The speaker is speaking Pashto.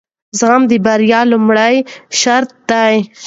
زغم د بریا لومړی شرط دی.